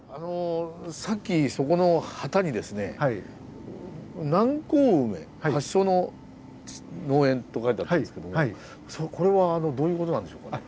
さっきそこの旗にですね「南高梅発祥農園」と書いてあったんですけどもこれはどういうことなんでしょうか？